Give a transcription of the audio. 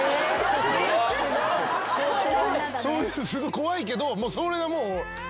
怖いけどそれがもう。